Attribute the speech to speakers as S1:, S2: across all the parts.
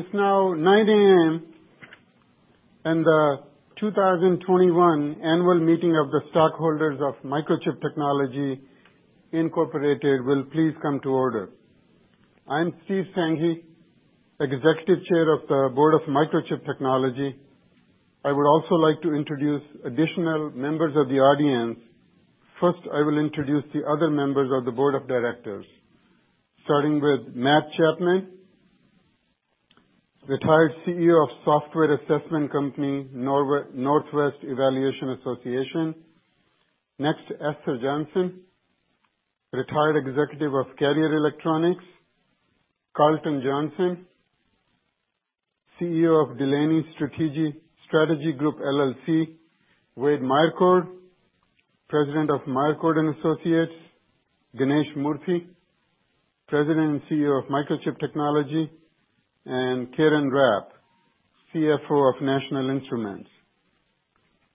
S1: It's now 9:00 A.M., the 2021 annual meeting of the stockholders of Microchip Technology Incorporated will please come to order. I'm Steve Sanghi, Executive Chair of the Board of Microchip Technology. I would also like to introduce additional members of the audience. First, I will introduce the other members of the Board of Directors, starting with Matt Chapman, retired CEO of software assessment company, Northwest Evaluation Association. Next, Esther Johnson, retired Executive of Carrier Electronics. Karlton Johnson, CEO of DeLaine Strategy Group LLC. Wade Meyercord, President of Meyercord & Associates. Ganesh Moorthy, President and CEO of Microchip Technology, and Karen Rapp, CFO of National Instruments.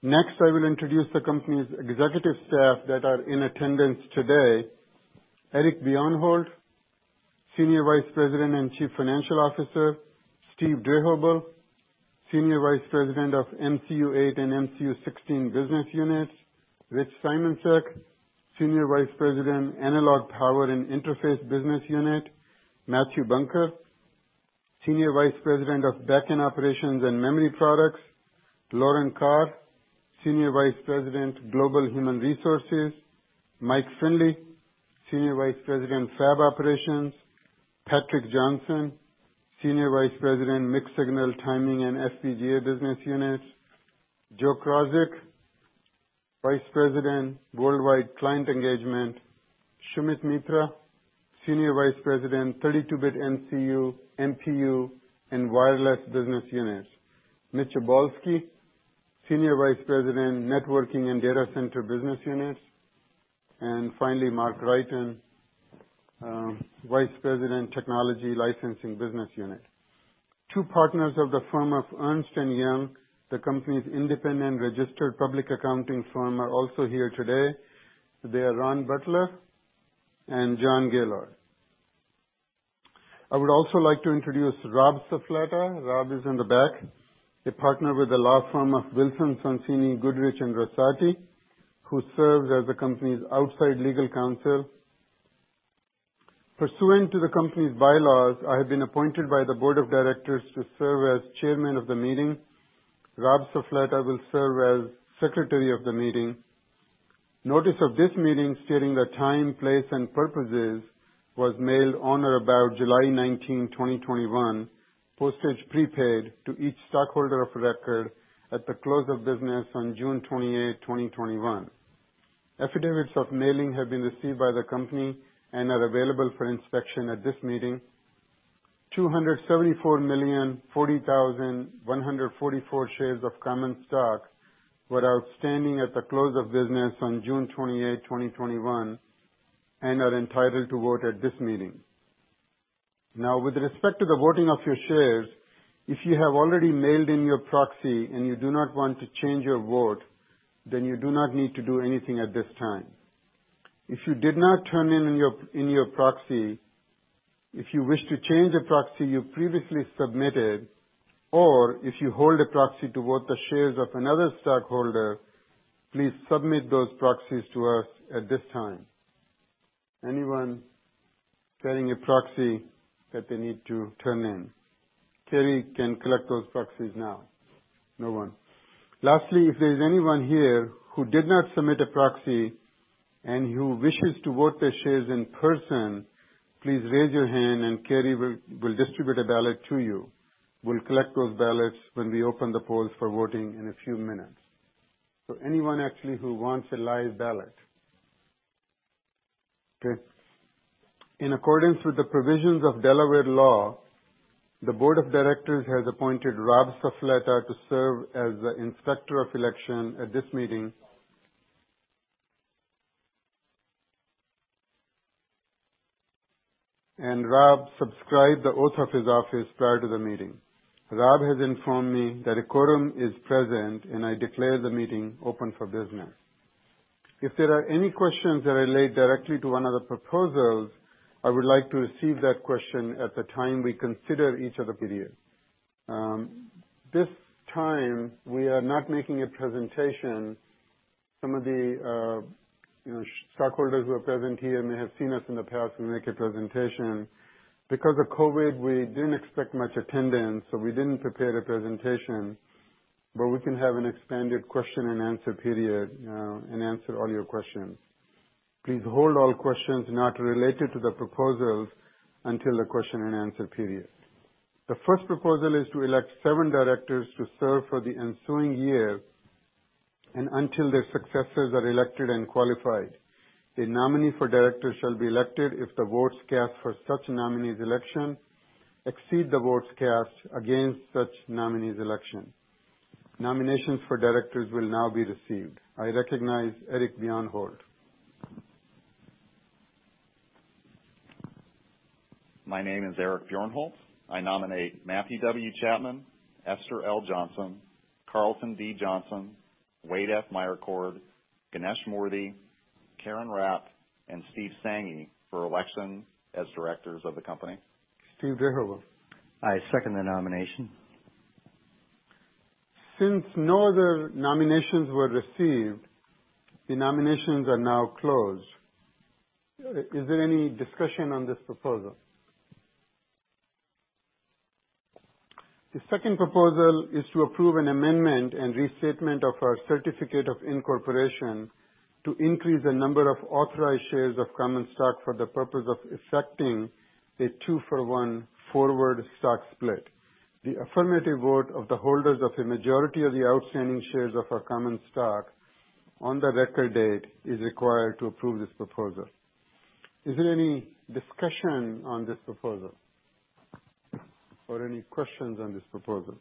S1: Next, I will introduce the company's executive staff that are in attendance today. Eric Bjornholt, Senior Vice President and Chief Financial Officer. Steve Drehobl, Senior Vice President of MCU8 and MCU16 Business Units. Rich Simoncic, Senior Vice President, Analog Power and Interface Business Unit. Mathew B. Bunker, Senior Vice President of Backend Operations and Memory Products. Lauren Carr, Senior Vice President, Global Human Resources. Mike Finley, Senior Vice President, Fab Operations. Patrick Johnson, Senior Vice President, Mixed Signal Timing and FPGA Business Units. Joe Krawczyk, Vice President, Worldwide Client Engagement. Sumit Mitra, Senior Vice President, 32-bit MCU, MPU, and Wireless Business Units. Mitch Obolsky, Senior Vice President, Networking and Data Center Business Units. Finally, Mark Reiten, Vice President, Technology Licensing Business Unit. Two partners of the firm of Ernst & Young, the company's independent registered public accounting firm, are also here today. They are Ron Butler and John Gaylord. I would also like to introduce Rob Suffoletta. Rob is in the back, a partner with the law firm of Wilson Sonsini Goodrich & Rosati, who serves as the company's outside legal counsel. Pursuant to the company's bylaws, I have been appointed by the board of directors to serve as chairman of the meeting. Rob Suffoletta will serve as secretary of the meeting. Notice of this meeting stating the time, place, and purposes was mailed on or about July 19, 2021, postage prepaid, to each stockholder of record at the close of business on June 28, 2021. Affidavits of mailing have been received by the company and are available for inspection at this meeting. 274,040,144 shares of common stock were outstanding at the close of business on June 28, 2021 and are entitled to vote at this meeting. With respect to the voting of your shares, if you have already mailed in your proxy and you do not want to change your vote, then you do not need to do anything at this time. If you did not turn in your proxy, if you wish to change a proxy you previously submitted, or if you hold a proxy to vote the shares of another stockholder, please submit those proxies to us at this time. Anyone turning in a proxy that they need to turn in? Carrie can collect those proxies now. No one. Lastly, if there's anyone here who did not submit a proxy and who wishes to vote their shares in person, please raise your hand and Carrie will distribute a ballot to you. We'll collect those ballots when we open the polls for voting in a few minutes. Anyone actually who wants a live ballot? Okay. In accordance with the provisions of Delaware law, the board of directors has appointed Rob Suffoletta to serve as the Inspector of Election at this meeting. Rob subscribed the oath of his office prior to the meeting. Rob has informed me that a quorum is present, and I declare the meeting open for business. If there are any questions that relate directly to one of the proposals, I would like to receive that question at the time we consider each of the proposals. This time, we are not making a presentation. Some of the stockholders who are present here may have seen us in the past make a presentation. Because of COVID, we didn't expect much attendance, so we didn't prepare a presentation. We can have an expanded Q&A period, and answer all your questions. Please hold all questions not related to the proposals until the Q&A period. The first proposal is to elect seven directors to serve for the ensuing year and until their successors are elected and qualified. The nominee for director shall be elected if the votes cast for such nominee's election exceed the votes cast against such nominee's election. Nominations for directors will now be received. I recognize Eric Bjornholt.
S2: My name is Eric Bjornholt. I nominate Matthew W. Chapman, Esther L. Johnson, Karlton D. Johnson, Wade F. Meyercord, Ganesh Moorthy. Karen Rapp and Steve Sanghi for election as directors of the company.
S1: Steve Drehobl.
S3: I second the nomination.
S1: Since no other nominations were received, the nominations are now closed. Is there any discussion on this proposal? The second proposal is to approve an amendment and restatement of our certificate of incorporation to increase the number of authorized shares of common stock for the purpose of effecting a two-for-one forward stock split. The affirmative vote of the holders of a majority of the outstanding shares of our common stock on the record date is required to approve this proposal. Is there any discussion on this proposal, or any questions on this proposal?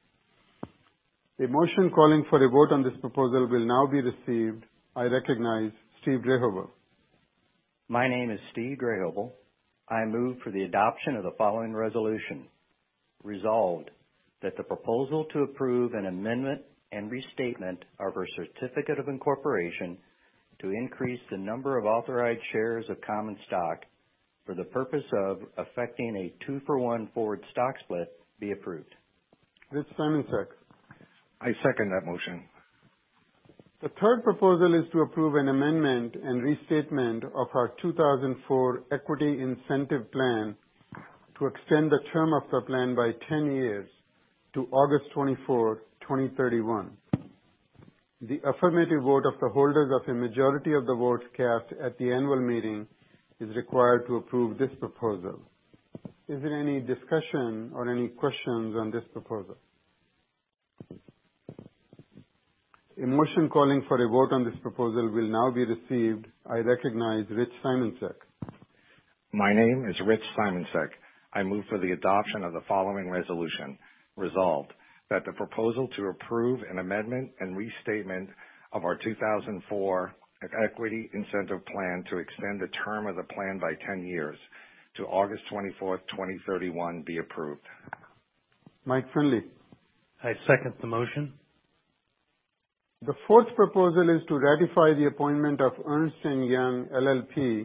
S1: A motion calling for a vote on this proposal will now be received. I recognize Steve Drehobl.
S3: My name is Steve Drehobl. I move for the adoption of the following resolution. Resolved, that the proposal to approve an amendment and restatement of our certificate of incorporation to increase the number of authorized shares of common stock for the purpose of effecting a two-for-one forward stock split be approved.
S1: Rich Simoncic.
S4: I second that motion.
S1: The third proposal is to approve an amendment and restatement of our 2004 Equity Incentive Plan to extend the term of the plan by 10 years to August 24th, 2031. The affirmative vote of the holders of a majority of the votes cast at the annual meeting is required to approve this proposal. Is there any discussion or any questions on this proposal? A motion calling for a vote on this proposal will now be received. I recognize Rich Simoncic.
S4: My name is Rich Simoncic. I move for the adoption of the following resolution. Resolved, that the proposal to approve an amendment and restatement of our 2004 Equity Incentive Plan to extend the term of the plan by 10 years to August 24th, 2031, be approved.
S1: Mike Finley.
S5: I second the motion.
S1: The fourth proposal is to ratify the appointment of Ernst & Young LLP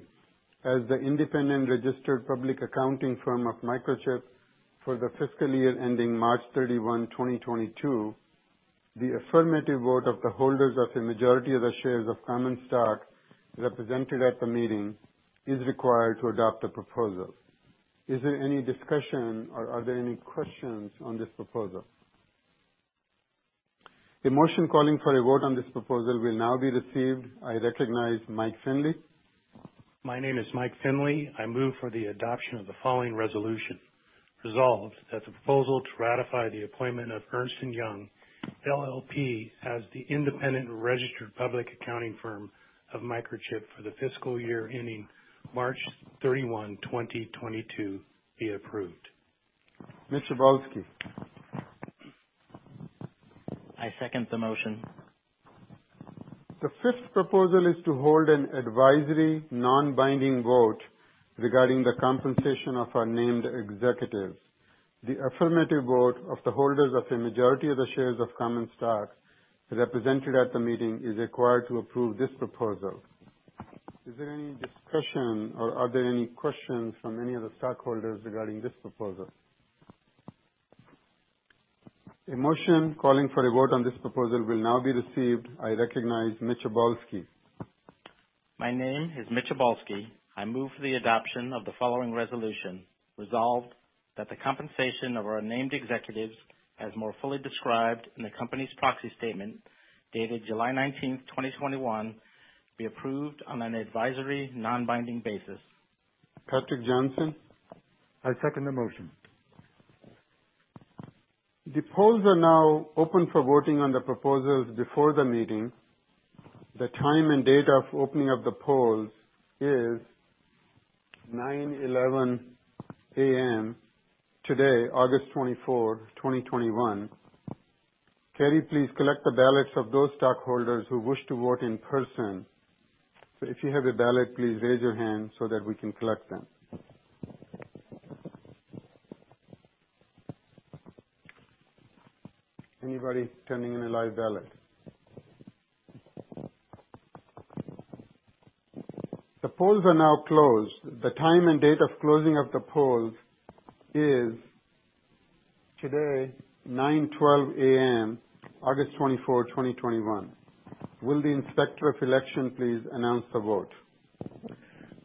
S1: as the independent registered public accounting firm of Microchip for the fiscal year ending March 31, 2022. The affirmative vote of the holders of a majority of the shares of common stock represented at the meeting is required to adopt the proposal. Is there any discussion, or are there any questions on this proposal? A motion calling for a vote on this proposal will now be received. I recognize Mike Finley.
S5: My name is Mike Finley. I move for the adoption of the following resolution. Resolved, that the proposal to ratify the appointment of Ernst & Young LLP as the independent registered public accounting firm of Microchip for the fiscal year ending March 31, 2022, be approved.
S1: Mitch Obolsky.
S6: I second the motion.
S1: The fifth proposal is to hold an advisory non-binding vote regarding the compensation of our named executives. The affirmative vote of the holders of a majority of the shares of common stock represented at the meeting is required to approve this proposal. Is there any discussion or are there any questions from any of the stockholders regarding this proposal? A motion calling for a vote on this proposal will now be received. I recognize Mitch Obolsky.
S6: My name is Mitch Obolsky. I move for the adoption of the following resolution. Resolved, that the compensation of our named executives, as more fully described in the company's proxy statement dated July 19th, 2021, be approved on an advisory non-binding basis.
S1: Patrick Johnson.
S7: I second the motion.
S1: The polls are now open for voting on the proposals before the meeting. The time and date of opening of the polls is 9:11 A.M. today, August 24, 2021. Kerry, please collect the ballots of those stockholders who wish to vote in person. If you have a ballot, please raise your hand so that we can collect them. Anybody turning in a live ballot? The polls are now closed. The time and date of closing of the polls is today, 9:12 A.M., August 24, 2021. Will the Inspector of Election please announce the vote?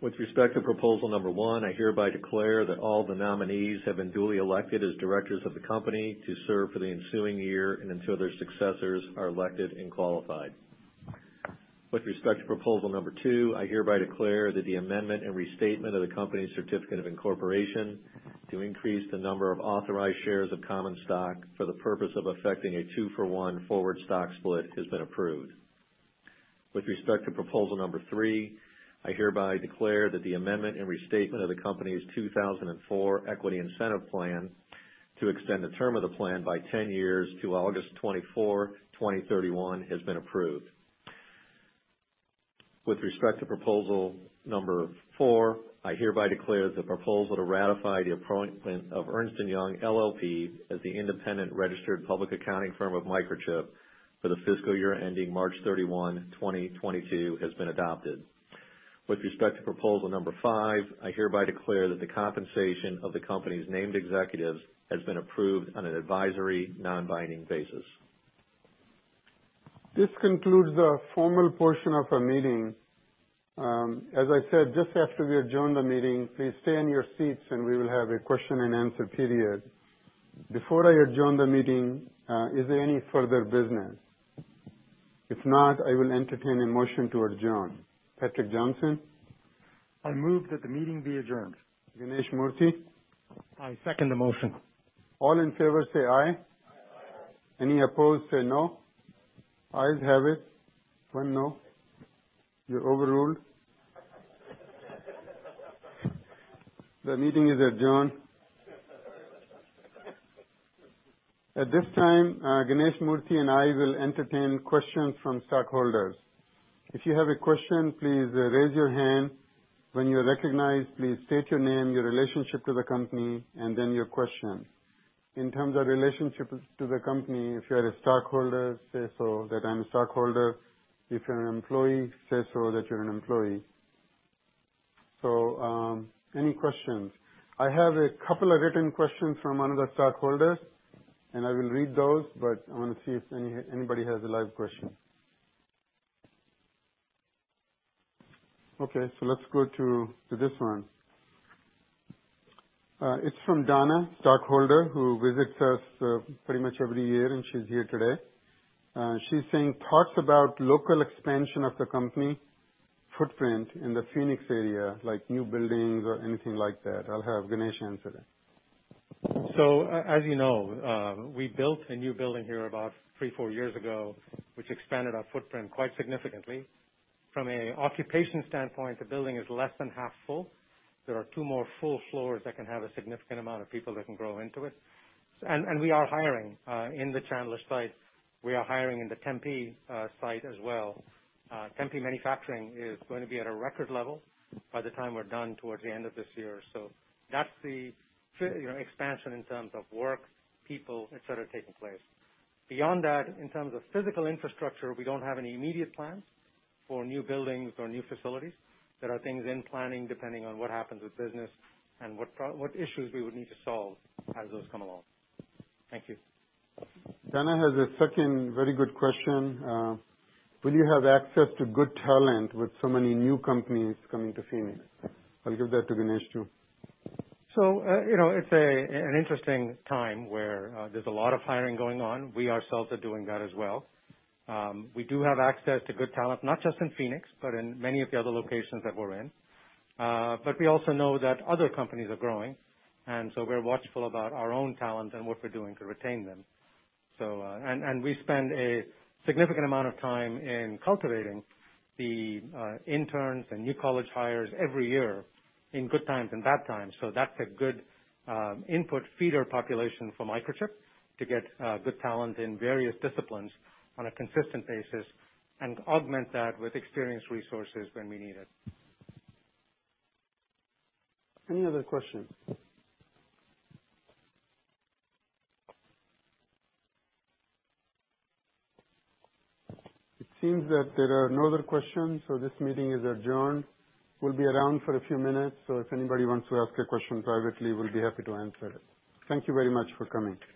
S8: With respect to proposal number one, I hereby declare that all the nominees have been duly elected as directors of the company to serve for the ensuing year and until their successors are elected and qualified. With respect to proposal number two, I hereby declare that the amendment and restatement of the company's certificate of incorporation to increase the number of authorized shares of common stock for the purpose of effecting a two-for-one forward stock split has been approved. With respect to proposal number three, I hereby declare that the amendment and restatement of the company's 2004 Equity Incentive Plan to extend the term of the plan by 10 years to August 24, 2031, has been approved. With respect to proposal number four, I hereby declare the proposal to ratify the appointment of Ernst & Young LLP as the independent registered public accounting firm of Microchip for the fiscal year ending March 31, 2022, has been adopted. With respect to proposal number five, I hereby declare that the compensation of the company's named executives has been approved on an advisory, non-binding basis.
S1: This concludes the formal portion of our meeting. As I said, just after we adjourn the meeting, please stay in your seats and we will have a Q&A period. Before I adjourn the meeting, is there any further business? If not, I will entertain a motion to adjourn. Patrick Johnson?
S7: I move that the meeting be adjourned.
S1: Ganesh Moorthy?
S9: I second the motion.
S1: All in favor say aye.
S10: Aye.
S1: Any opposed, say no. Ayes have it. One no. You're overruled. The meeting is adjourned. At this time, Ganesh Moorthy and I will entertain questions from stockholders. If you have a question, please raise your hand. When you're recognized, please state your name, your relationship to the company, and then your question. In terms of relationship to the company, if you're a stockholder, say so, that I'm a stockholder. If you're an employee, say so that you're an employee. Any questions? I have a couple of written questions from one of the stockholders, and I will read those, but I want to see if anybody has a live question. Let's go to this one. It's from Donna, stockholder, who visits us pretty much every year, and she's here today. She's saying, "Talk about local expansion of the company footprint in the Phoenix area, like new buildings or anything like that." I'll have Ganesh answer that.
S9: As you know, we built a new building here about three, four years ago, which expanded our footprint quite significantly. From an occupation standpoint, the building is less than half full. There are two more full floors that can have a significant amount of people that can grow into it. We are hiring in the Chandler site. We are hiring in the Tempe site as well. Tempe manufacturing is going to be at a record level by the time we're done towards the end of this year. That's the expansion in terms of work, people, et cetera, taking place. Beyond that, in terms of physical infrastructure, we don't have any immediate plans for new buildings or new facilities. There are things in planning, depending on what happens with business and what issues we would need to solve as those come along. Thank you.
S1: Donna has a second very good question, "Will you have access to good talent with so many new companies coming to Phoenix?" I'll give that to Ganesh, too.
S9: It's an interesting time where there's a lot of hiring going on. We ourselves are doing that as well. We do have access to good talent, not just in Phoenix, but in many of the other locations that we're in. We also know that other companies are growing, and we're watchful about our own talent and what we're doing to retain them. We spend a significant amount of time in cultivating the interns and new college hires every year in good times and bad times. That's a good input feeder population for Microchip to get good talent in various disciplines on a consistent basis and augment that with experienced resources when we need it.
S1: Any other questions? It seems that there are no other questions, so this meeting is adjourned. We'll be around for a few minutes, so if anybody wants to ask a question privately, we'll be happy to answer it. Thank you very much for coming.